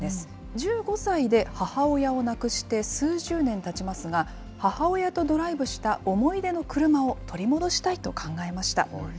１５歳で母親を亡くして数十年たちますが、母親とドライブした思い出の車を取り戻したいと考えました。